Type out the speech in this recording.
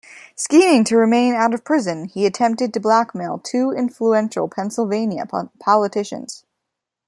Scheming to remain out of prison, he attempted to blackmail two influential Pennsylvania politicians.